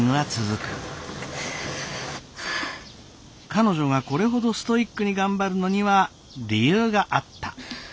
彼女がこれほどストイックに頑張るのには理由があった。